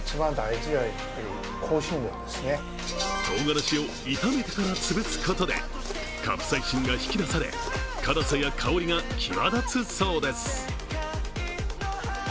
とうがらしを炒めてからつぶすことでカプサイシンが引き出され、辛さや香りが際立つそうです。